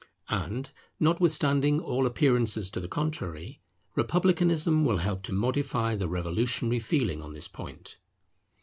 And, notwithstanding all appearances to the contrary, republicanism will help to modify the revolutionary feeling on this point.